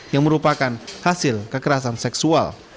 yang merupakan hasil kekerasan seksual